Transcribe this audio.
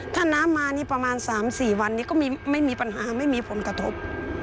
ถ้าน้ำมานี่ประมาณ๓๔วันนี้ก็ไม่มีปัญหาไม่มีผลกระทบ